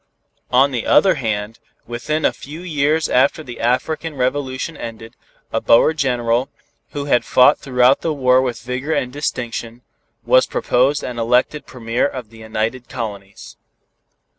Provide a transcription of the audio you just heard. On the other hand, within a few years after the African Revolution ended, a Boer General, who had fought throughout the war with vigor and distinction, was proposed and elected Premier of the United Colonies.